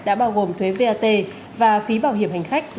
đã bao gồm thuế vat và phí bảo hiểm hành khách